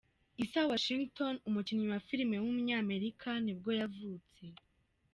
Isaiah Washington, umukinnyi wa film w’umunyamerika nibwo yavutse.